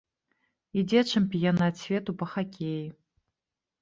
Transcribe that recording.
Ідзе чэмпіянат свету па хакеі.